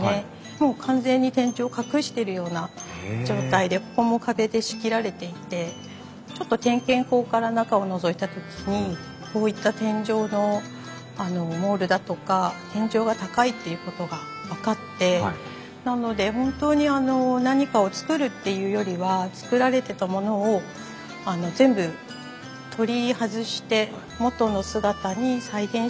もう完全に天井を隠してるような状態でここも壁で仕切られていてちょっと点検口から中をのぞいた時にこういった天井のモールだとか天井が高いっていうことが分かってなので本当にあの何かを造るっていうよりは造られてたものを全部取り外して元の姿に再現したっていう感じです。